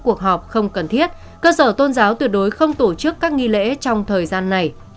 các cuộc họp không cần thiết cơ sở tôn giáo tuyệt đối không tổ chức các nghi lễ trong thời gian này